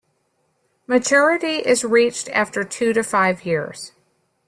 Maturity is reached after two to five years.